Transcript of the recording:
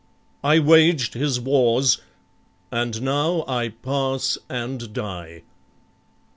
I waged His wars, and now I pass and die.